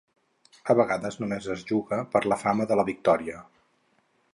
A vegades només es juga per la fama de la victòria.